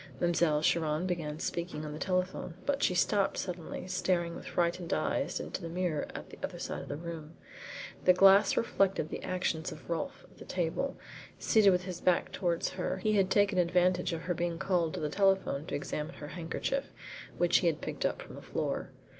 Mademoiselle Chiron began speaking on the telephone, but she stopped suddenly, staring with frightened eyes into the mirror at the other side of the room. The glass reflected the actions of Rolfe at the table. Seated with his back towards her, he had taken advantage of her being called to the telephone to examine her handkerchief, which he had picked up from the floor.